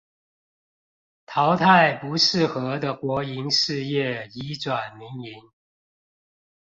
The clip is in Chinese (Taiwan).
淘汰不適合的國營事業移轉民營